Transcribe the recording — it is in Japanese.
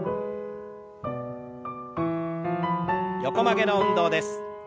横曲げの運動です。